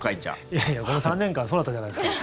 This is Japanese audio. いやいや、この３年間そうだったじゃないですか。